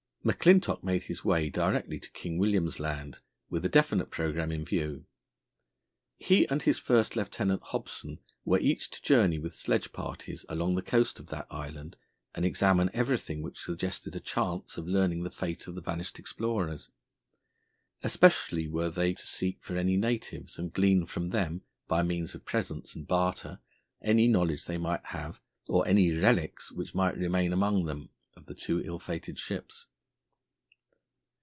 McClintock made his way directly to King William's Land, with a definite programme in view. He and his first lieutenant, Hobson, were each to journey with sledge parties along the coast of that island and examine everything which suggested a chance of learning the fate of the vanished explorers. Especially were they to seek for any natives and glean from them, by means of presents and barter, any knowledge they might have, or any relics which might remain amongst them, of the two ill fated ships.